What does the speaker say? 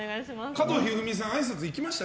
加藤一二三さんにあいさつ行きました？